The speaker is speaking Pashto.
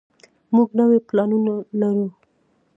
موږ نوي پلانونه لرو.